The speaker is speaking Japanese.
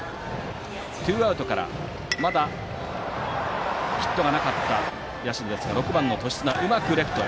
ツーアウトからまだヒットがなかった社ですが６番の年綱がうまくレフトへ。